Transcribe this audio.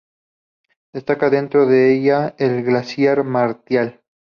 Destaca dentro de ella el Glaciar Martial.